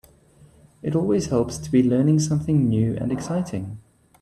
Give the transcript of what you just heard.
It always helps to be learning something new and exciting.